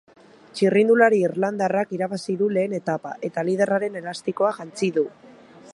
Txirrindulari irlandarrak irabazi du lehen etapa, eta liderraren elastikoa jantzi du.